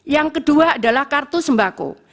yang kedua adalah kartu sembako